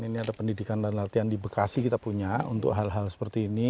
ini ada pendidikan dan latihan di bekasi kita punya untuk hal hal seperti ini